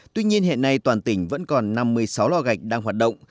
tuy nhiên hiện nay toàn tỉnh vẫn còn năm mươi sáu lo gạch đang hoạt động